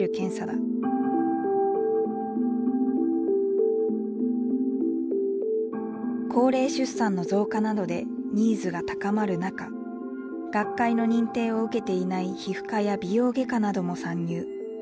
ＮＩＰＴは妊婦の血液を分析し高齢出産の増加などでニーズが高まる中学会の認定を受けていない皮膚科や美容外科なども参入。